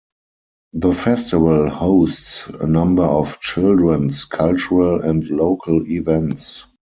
The festival hosts a number of children's, cultural and local events.